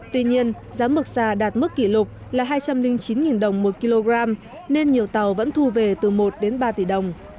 tuy nhiên giá mực xà đạt mức kỷ lục là hai trăm linh chín đồng một kg nên nhiều tàu vẫn thu về từ một đến ba tỷ đồng